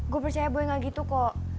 gue percaya gue gak gitu kok